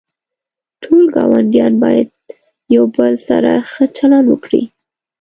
ټول گاونډیان باید یوله بل سره ښه چلند وکړي.